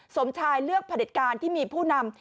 สมชายเลือกผลิตการที่มีผู้นำ